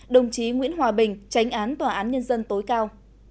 đồng chí nguyễn hòa bình tránh án tòa án nhân dân tối cao